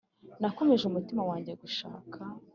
Nakomeje umutima wanjye gushaka